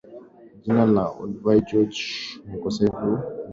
Jina la Olduvai Gorge ni ukosefu wa kuandika Oldupai